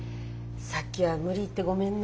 さっきは無理言ってごめんね。